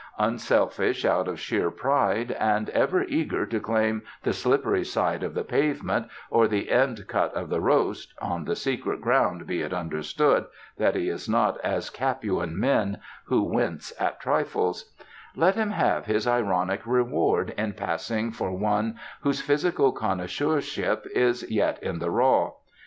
Unselfish out of sheer pride, and ever eager to claim the slippery side of the pavement, or the end cut of the roast (on the secret ground, be it understood, that he is not as Capuan men, who wince at trifles), let him have his ironic reward in passing for one whose physical connoisseurship is yet in the raw.